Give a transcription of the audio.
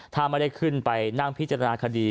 ถ้าไม่ได้ขึ้นไปนั่งพิจารณาคดี